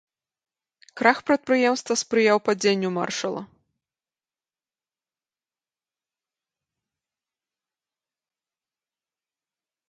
Крах прадпрыемства спрыяў падзенню маршала.